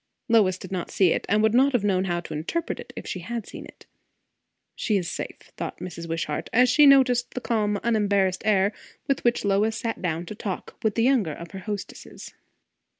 Lois did not see it, and would not have known how to interpret it if she had seen it. She is safe, thought Mrs. Wishart, as she noticed the calm unembarrassed air with which Lois sat down to talk with the younger of her hostesses.